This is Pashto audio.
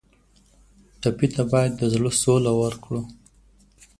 ټپي ته باید د زړه سوله ورکړو.